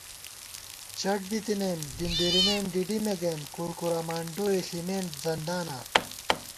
چٹ بِتَنَئیم ڈِمبِرِمېن ڈِڈِمےگَئیم کُرکُرا مانڈوئے ݪِمېن زنداناں